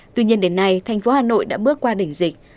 tuy nhiên đến nay thành phố hà nội đã bước qua đỉnh dịch